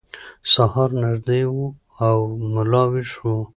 سهار نږدې و او ملا ویښ و.